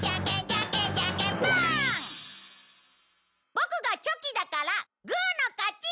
ボクがチョキだからグーの勝ち！